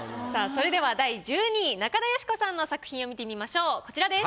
それでは第１２位中田喜子さんの作品を見てみましょうこちらです。